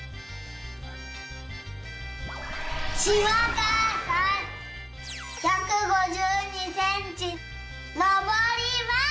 しまかあさん１５２センチのぼります！